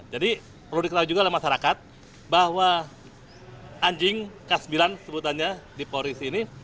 jadi perlu diketahui juga oleh masyarakat bahwa anjing k sembilan sebutannya di polisi ini